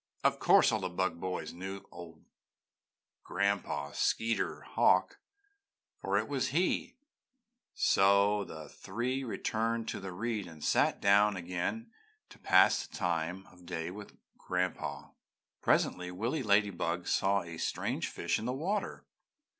Of course all the Bug Boys knew old Gran'pa Skeeterhawk for it was he so the three returned to the reed and sat down again to pass the time of day with Gran'pa. Presently Willy Ladybug saw a strange fish in the water.